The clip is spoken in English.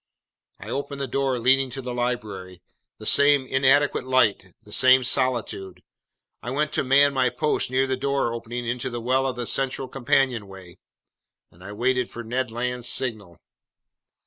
I opened the door leading to the library. The same inadequate light, the same solitude. I went to man my post near the door opening into the well of the central companionway. I waited for Ned Land's signal.